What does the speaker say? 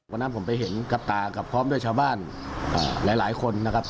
วันนั้นผมไปเห็นกับตากับพร้อมด้วยชาวบ้านหลายคนนะครับ